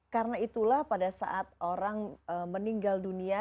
karena itulah pada saat orang meninggal dunia